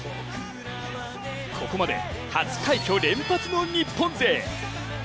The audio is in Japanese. ここまで初快挙連発の日本勢。